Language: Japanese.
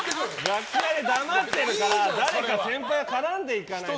楽屋で黙ってるから誰か先輩が絡まないと。